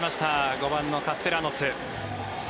５番のカステラノス。